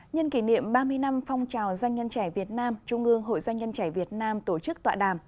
nhân kỷ niệm ba mươi năm phong trào doanh nhân trẻ việt nam trung ương hội doanh nhân trẻ việt nam tổ chức tọa đàm